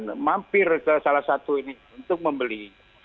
kita kemampiran ke salah satu ini untuk membeli